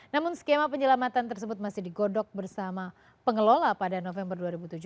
namun skema penyelamatan tersebut masih digodok bersama pengelola pada november dua ribu tujuh belas